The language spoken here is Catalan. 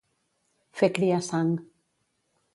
Fer criar sang.